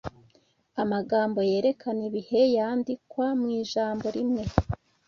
Amagambo yerekana ibihe yandikwa mu ijambo rimwe